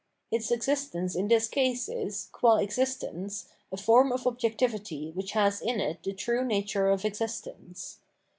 Its existence in this case is, qua existence, a form of obj ectivity which has in it the true nature of existence.